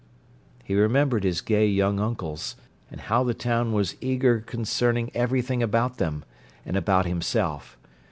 He remembered his gay young uncles, and how the town was eager concerning everything about them, and about himself.